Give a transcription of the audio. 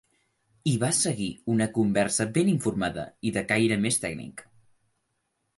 Hi va seguir una conversa ben informada i de caire més tècnic.